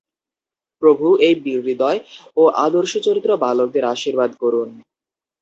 প্রভু এই বীরহৃদয় ও আদর্শচরিত্র বালকদের আশীর্বাদ করুন।